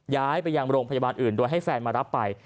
ย้ายไปยังโรงพยาบาลอื่นโดยให้แฟนมารับไป